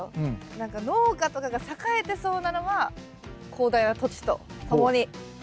何か農家とかが栄えてそうなのは広大な土地とともにオーストラリア。